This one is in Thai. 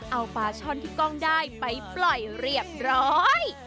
เอาปลาช่อนที่กล้องได้ไปปล่อยเรียบร้อย